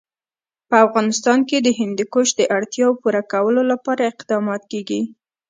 په افغانستان کې د هندوکش د اړتیاوو پوره کولو لپاره اقدامات کېږي.